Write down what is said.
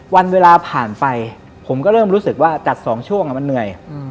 วันเวลาผ่านไปผมก็เริ่มรู้สึกว่าจัด๒ช่วงมันเหนื่อย